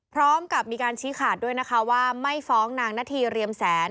พร้อมกับมีการชี้ขาดด้วยนะคะว่าไม่ฟ้องนางนาธีเรียมแสน